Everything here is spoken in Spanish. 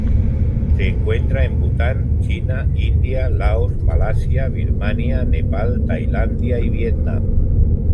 Se encuentra en Bután, China, India, Laos, Malasia, Birmania, Nepal, Tailandia y Vietnam.